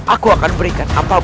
aku akan berikan apapun yang kupu